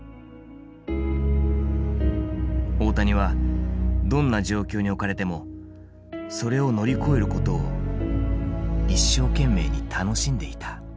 大谷はどんな状況に置かれてもそれを乗り越えることを一生懸命に楽しんでいた。